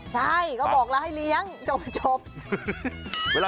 ใช่ก็บอกละให้เลี้ยงจบแบบยังไง